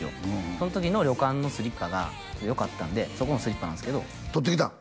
そん時の旅館のスリッパがよかったんでそこのスリッパなんすけど取ってきた？